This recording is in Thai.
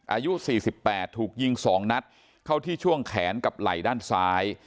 อายุสี่สิบแปดถูกยิงสองนัดเข้าที่ช่วงแขนกับไหล่ด้านซ้าย